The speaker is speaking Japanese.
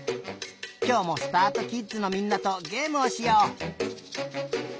きょうもすたあとキッズのみんなとゲームをしよう。